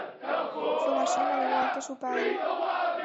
Fue masón al igual que su padre.